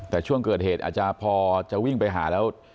แต่ช่วงเกิดเหตุอาจจะพอจะวิ่งไปหาแล้ว